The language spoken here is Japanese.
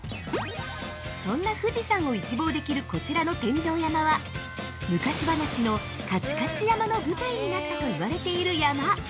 ◆そんな富士山を一望できるこちらの天上山は昔話の「かちかち山」の舞台になったと言われている山。